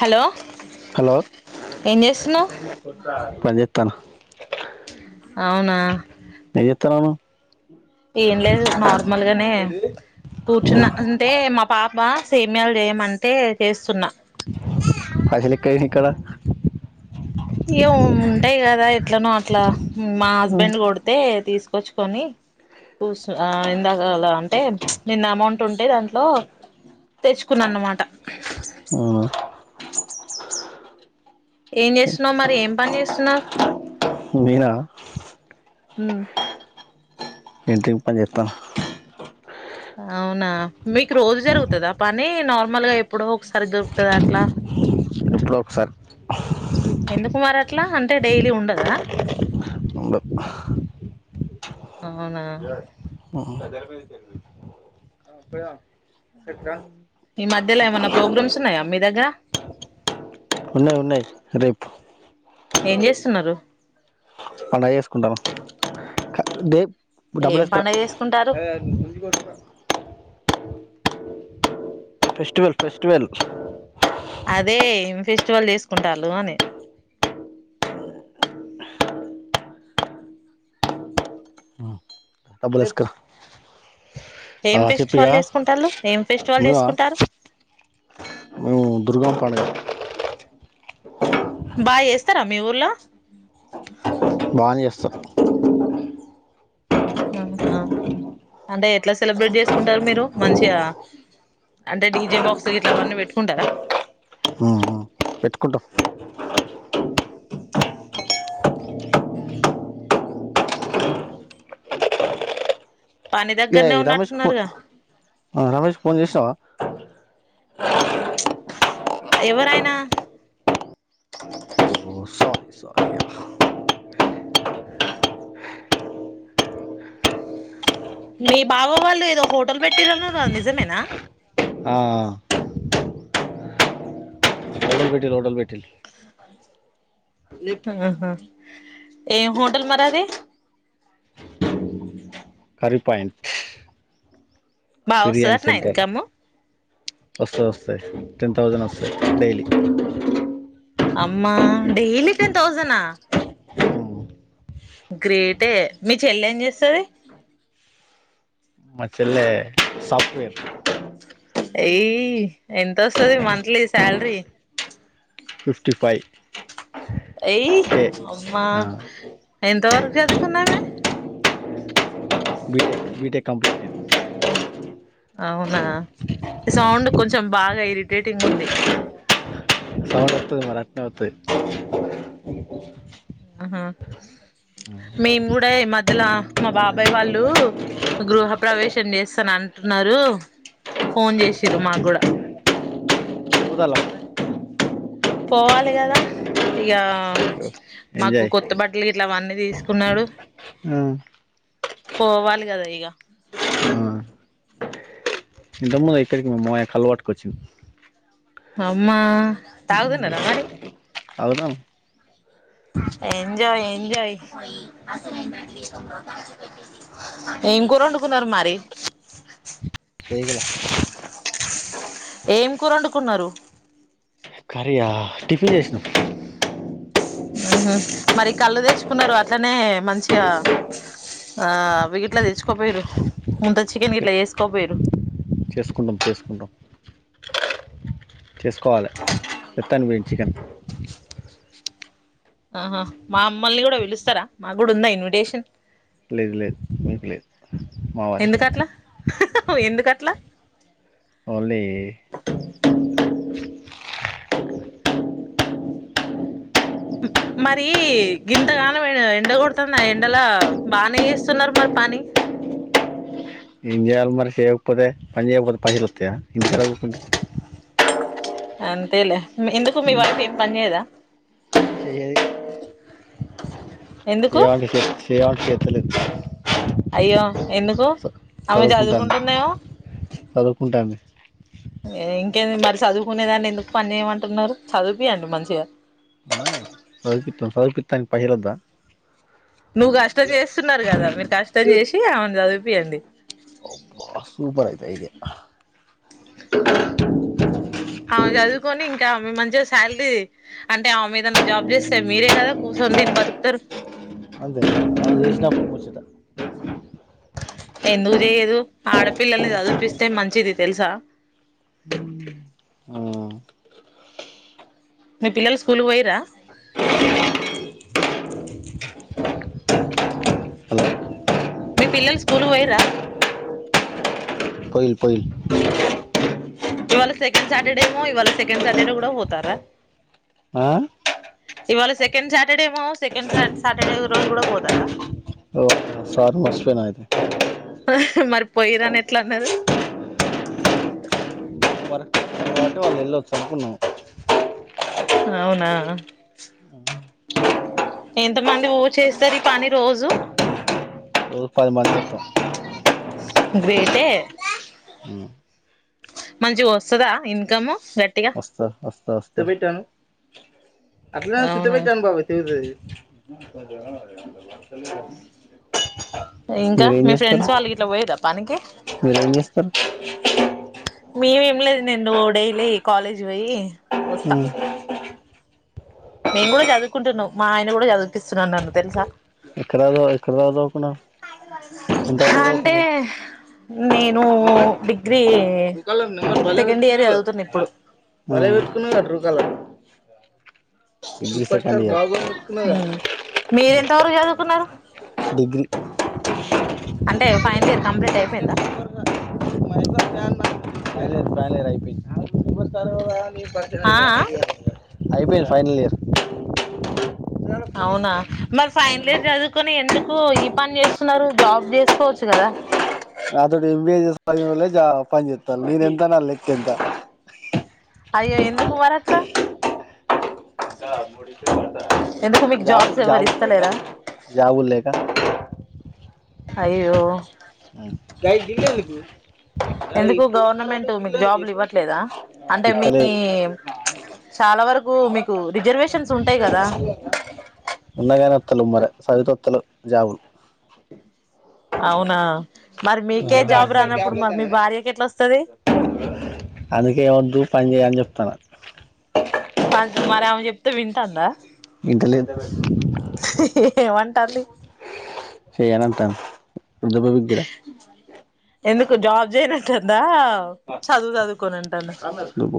hello hello ఏం చేస్తున్నావ్ పని క్కన అవునా ఏం చేతన్నావ్ నువ్వూ ఏం లేదు నార్మల్గానే నువ్వు కూర్చున్న అంటే మా పాప సేమ్యాలు చేయమంటే చేస్తున్నా పైసలు ఎక్కడాయి నీక్కడ ఇగ ఉంటాయి కదా ఎట్లనో అట్లా మా హస్బెండ్ కొడితే తీసుకు చ్చుకొని కూసు ఇందాకాల అంటే నిన్న అమౌంట్ ఉంటే దా లో తెచ్చుకున్నా అన్నమాట అవును ఏం చేస్తున్నావ్ మరి ఏం పని చేస్తున్నావ్ నేనా ఉమ్ ఇంటింటింగ్ పనీ జేతన్నా అవునా మీకు రోజు జరుగుతుందా పని నార్మల్ గా ఎప్పుడో ఒకసారి దొరుకుతుందా అట్లా ఎప్పుడో ఒకసారి ఎందుకు మరి అట్లా అంటే డైలీ ఉండదా [unintelligible] అవునా ఆహా ఈ మధ్యల ఏమైన్నా ప్రోగ్రామ్స్ ఉన్నాయా మీ దగ్గర ఉన్నాయి ఉన్నాయి రేపు ఏం చేస్తున్నారు పంండగ చేసుకుంటానుే క్ లేద్ డబ్బులు ఏం వేసుకురా పండగ చేసుకుంటారు ఫెస్టివల్ ఫెస్టివల్ అదే ఏం ఫెస్టివల్ చేసుకుంటాళ్ళు అని డబ్బులు ఎసకరా ఏం ఫెస్టివాల్ చేసుకుంటాళ్ళు ఏం ఫెస్టివాల్ నువ్వా చేసుకుంటారు దుర్గామ్మ పండగా బాగేస్తారా మీ ఊర్లో బాగేస్తరు ఆహా అంటే ఎట్లా సెలబ్రేట్ జేసుకుంటారు మీరు మంచిగా అంటే డీజే బాక్స్ ఇట్లావన్నీ పెట్టుకుంటారా ఊహు పెట్టుకుంటాం ఉ పని దగ్గరనే ఏయ్ రమేష్ కు ఫొ ఉన్నట్టున్నారుగా రమేష్ కి ఫోన్ జేషావా ఎవరాయన ఓ సారీ సారీ మీ బావ వాళ్ళు ఏదో హోటల్ పెట్టిర్రన్నావ్ నిజమేనా ఆఆ [unintelligible] ఆహ ఏమ్ హటల్ మరి అది కరీ పాయింట్ బాగొస్తద అట్ల ఇన్ కము వొస్తదొస్తది టెన్ థౌసండ్ వస్తది డైలీ అమ్మా డైలీ టెన్ తౌజనా గ్రేటే మీ చెల్లేమ్ జేస్తది మా చెల్లె సాప్ట్ వేర్ ఎయ్ ఎంతొస్తుది మంత్లీ సాలరీ ఫిఫ్టీ ఫై ఎయ్ అమ్మా ఎంతవరకు జదుకుందామే బి బీటెక్ కంప్లీటెడ్ అవునా ఔ సౌండ్ కొంచెం బాగా ఇరిటేటింగుంది సౌండొత్తది మర అట్నే వత్తది ఆహ మేము గూడ ఈ మధ్యల మా బా బాబొయ్ వాళ్ళూ గృహ ప్రవేశం జేస్తనంటన్నారు ఫోన్ జేషిర్రు మా గూడా పోదళ్ల పోవాలె గదా ఇగ మాకు ఎంజాయ్ కొత్త బట్టలు గిట్లా అవన్నీ తీస్ కున్నాడు ఉ పోవాలి గదా ఇగ ఆ ఇంతక ముందు ఇక్కడికి మా మామయ్య కళ్ళు పట్టుకొచ్చిండు అమ్మా తాగుతున్నారా మరి తాగుదాం ఎంజాయ్ ఎంజాయ్ ఏం కూరొండుకున్నారు మరి పేగల ఏం కూరొండుకున్నారు కరీయా టిఫిన్ జేసినం ఊహు మరి కళ్ళు దెచ్చుకున్నరు అట్లనే మంచిగా ఆ అవి గిట్ల తెచ్చుకోపోయిరు ముంత చికెన్ గిట్ల ఏసుకోపోయిరు చేసుకుంటం చేసుకుంటం చేసుకోవాలె తెత్తను బొయ్ చికెన్ ఆహా మా మ్మల్ని గూడా పిలుస్తరా మా గుడా ఉందా ఇన్విటేషన్ లేద్ లేద్ మీకు లేదు మా వారికే ఎందుకట్ల ఎందుకట్ల ఓండ్లీ మరీ గింతగానం ఎండ గొడతాంది ఆ ఎండలో బానే ఏస్తున్నరు మరి పని [inaudible] ఎంజేయాలి మరి చేయకపోతే పని చేయకపోతే పైసలొస్తయా ఇంటికాడ కూకుంటే అంతేలే ఎందుకు మీ వైఫ్ ఏం పనిచేయదా చేయ్యది ఎందుకు చెయ్యమంటే చెప్పిన చెయ్యమంటే చెత్తలేదు అయ్యో ఎందుకు ఆమె చదువుకుంటాంది చదువుకుంటున్నాయో చదువుకుంటాంది ఇంకేంది మరి సదువుకునేదాన్ని ఎందుకు పని చేయమంటున్నరు చదువుపియండి మంచిగా ఆ సదుపిత్తం సదుపిత్తానికి పైసలొద్దా నువ్వు కష్టం చేస్తున్నారు కదా మీరు కష్టం చేసి ఆమెను చదుపియ్యండి బా సూపర్ అయితే ఇదే [inaudible] సాలరీ అంటే ఆమేదన్న జాబ్ చేస్తే మీరే కదా కూర్చొని తిని బతుకుతారు అదుగో ఆమె చేసినప్పుడు ముచ్చట ఎందుకు చేయ్యదు ఆడపిల్లల్ని చదివుపిస్తే మంచిది తెలుసా ఆ మీ పిల్లలు స్కూల్ పోయిరా హలో మీ పిల్లలు స్కూల్ పోయిరా పోయిరు పోయిరు ఇవాళ సెకండ్ సాటర్డే ఏమో ఇవాళ సెకండ్ సాటర్డే కూడా పోతారా ఆ ఇవాళ సెకండ్ సాటర్డేమో సెకండ్ సాటర్డే రోజు కూడా పోతారా సారి మర్చిపోయిన అయితే మరి పోయిరని ఎట్లా అన్నారు వరకు అంటే వాళ్ళు ఎల్లోచరికి వున్నం అవునా ఎంత మంది ఊ చేస్తారు ఈ పని రోజు రోజు పది మంది చేత్తం గ్రేటే [unintelligible] మంచిగా వస్తదా ఇన్కమ్ గట్టిగా వస్తాది వస్తా వస్త పెట్టు [unintelligible] అట్లానే సుట్టి అవునా పెట్టాను బాబాయ్ తెగుతది అ [unintelligible] ఇంకా మీరేం మీ చేస్తరు ఫ్రెండ్స్ వాళ్ళు ఇట్లా పోయిరా పనికి మీరు ఎం చేస్తారు మేమేం లేదు నేను డైలీ కాలేజీ పోయి వస్తా మేం కూడా చదువుకుంటున్నాం మా ఆయన కూడా చదివిపిస్తున్నాడు నన్ను తెలుసా ఎక్కడ ఎక్కడ్ దాక చదువుకున్నవ్ హ అంటే నేను డిగ్రీ ట్రూకాలర్ సెకండ్ ఇయర్ చదువుతున్నా ఇప్పుడు అదే పెట్టుకున్నారా ట్రూ కాలర్ లో మీరెంత వరకు చదువుకున్నారు గ్రీ [unintelligible] [unintelligible] అంటే ఫైనల్ ఇయర్ కంప్లీట్ అయిపోయిందా పలేరు పలేరు అయిపోయిందిర్ సాల మీ ప ఆ [inaudible] [unintelligible] అయిపోయింది ఫైనల్ ఇయర్ అవునా పరిచయం మరి ఫైనల్ ఇయర్ చదువుకొని ఎందుకు కు ఈ పని చేస్తున్నారు జాబ్ చేసుకోవచ్చు కదా నా తోటి ఎం బీ ఏ చేసి నోల్లే పని చెత్తరు నేను ఎంత నా లెక్క ఎంత అయ్యో ఎందుకు మరేట్లా మీకు జాబ్ జాబ్స్ ఎవరు జాబులు లేక ఇస్తలేరా జాబులు లేక అయ్యో గై గీడెందుకు గయ్ ఎందుకు పొడుకర్రలు గవర్నమెంట్ గిల్ల మీకు ఎందుకు జాబ్లు చెప్పు ఇవ్వట్లేదా అంటే మీ ఇత్తలేదు చాలా వరకు మీకు రిజర్వేషన్స్ ఉంటాయి గదా ఉన్నయ్ గాని వత్తలేవ్ మరి సదువుతే వత్తలేవు జాబులు అవునా మరి మీకే నువ్వైతే జాబ్ అస్సలు గ్యాప్ రానప్పుడు మరి గొట్టవు మీ గాని భార్యకి ఎట్లా వస్తది అందుకే వద్దు పని జేయ్ అని జెప్తున్నా మ మరి ఆమె చెప్తే వింటాందా ఇంటలేదు ఏమంటాంది చేయాలంటా ఎందుకు జాబ్ చేయనట్టుందా చదువు చదువుకోనంటుందా దుబ్బ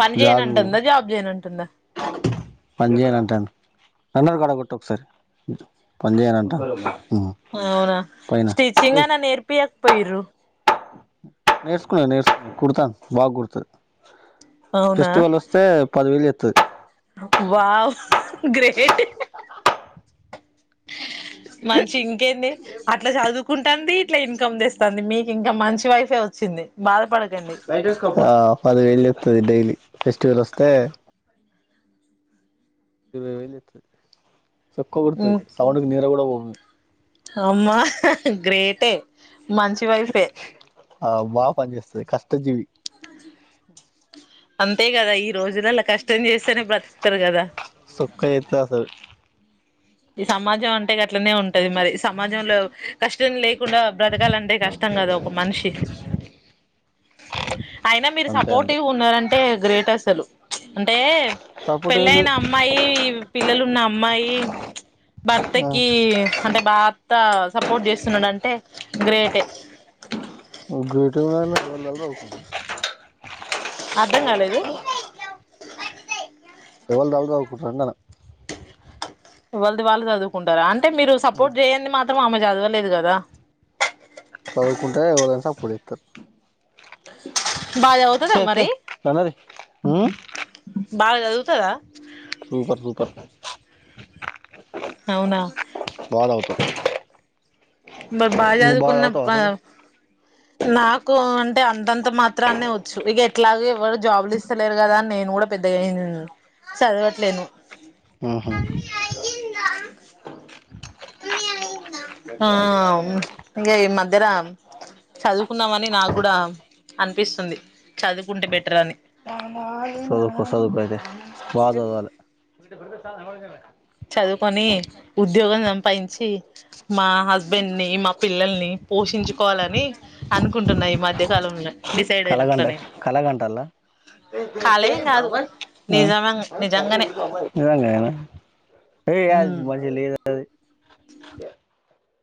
తను జేయనంటుందా జాబ్ జేయనంటుందా పనిజేయనంటంది తండర్ కాడ గొట్టు ఒక్కసారి పంజేయాలంట ఉమ్ అవునా పోయిన స్టిచ్చింగ్ ఏయ్ అనా నేర్పియకపోయిర్రు నేర్చుకునే నేర్చుకు కుడతాంది బాగ గుడతది అవునా ఫెస్టివల్ వస్తే పదివేలు జేత్తది వావ్ గ్రేటే మంచి ఇంకేంది అట్లా చదువుకుంటంది ఇట్లా ఇన్కమ్ దెస్తాంది మీకు ఇంకా మంచి వైఫే వచ్చింది బాధపడకండి ఆ పదివేలు జేత్తది డైలీ ఫెస్టివల్ వస్తే ఇరవై వేలు జేత్తది సొక్క కుడతది సౌండ్కి నిద్ర గూడా పోమ్ మేమ్ అమ్మా గ్రేటే మంచి వైఫే ఆ బాగా పని చేస్తది కష్టజీవి అంతే గదా ఈ రోజులల్లా కష్టం జేస్తేనే బ్రతుకుతరు గదా సొక్క చేత్తది అసలు ఈ సమాజం అంటే గట్లనే ఉంటది మరి సమాజంలో కష్టం లే కుండా బ్రతకాలంటే కష్టం గదా ఒక మనిషి అయినా మీరు అంతే అంతే సపోర్ట్వీ ఉన్నరంటే గ్రేట్ అసలు అంటే సపోర్ట్ ఏం పెళ్ళైన లేదు అమ్మాయి పిల్లలు ఉన్న అమ్మాయి ఆ భర్తకి అంటే భార్త సపోర్ట్ జేస్తున్నాడంటే గ్రేట్ టే ంట [unintelligible] ఫోన్లల్ల చదువుకుంటరు అర్ధం గాలేదు ఎవళ్ది దాల్ చదువు కుంటరు వెంటనే ఎవళ్ది వాళ్ళు చదువుకుంటారా అంటే మీరు సపోర్ట్ జేయండి మాత్రం ఆమె చదవలేదు గదా పుడేకత్ బాగా చదువుతదా తే తే మరి ఆనారీ ఉమ్ బాగ సదువుతదా సూపర్ సూపర్ అవునా బాగ సవుతవ్ మరి బాగా చదువుకున్న అసలు నాకు అ అంటే అంతంత మాత్రానే వచ్చు ఇగ ఎట్లాగు ఎవరు జాబులు ఇస్తలేరు గదా అని నేను గూడా పెద్దగాయే చదవట్లేను హు హూ ఆ ఈ మధ్యర చదువుకుందామని నాకు గూడా అనిపిస్తుంది చదువుకుంటే బెటర్ అని సదువుకో సదువుకో అయితే బాగ చదవాలే చదువుకొని ఉద్యోగం సంపాదించి మా హస్బెండ్ ని మా పిల్లల్ని పోషించుకోవాలని అనుకుంటున్నా ఈ మధ్య కాలంలో కళగంట కళగంటల్లా కాలేం కాదు ఆ నిజమ నిజంగానే నిజంగానేనా ఉమ్ [unintelligible] లేదది